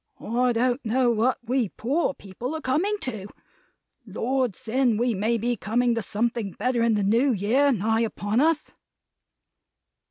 I don't know what we poor people are coming to. Lord send we may be coming to something better in the New Year nigh upon us!"